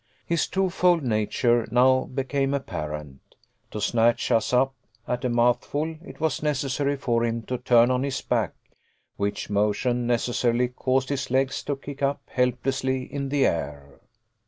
His twofold nature now became apparent. To snatch us up at a mouthful it was necessary for him to turn on his back, which motion necessarily caused his legs to kick up helplessly in the air.